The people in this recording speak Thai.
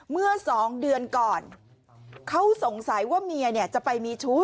เมื่อสองเดือนก่อนเขาสงสัยว่าเมียจะไปมีชู้